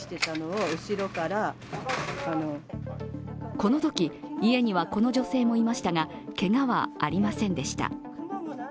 このとき、家にはこの女性もいましたが、けがはありませんでした。